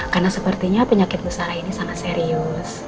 karena sepertinya penyakit bu sarah ini sangat serius